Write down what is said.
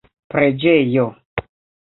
preĝejo